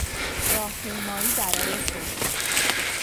راهپیمایی برای صلح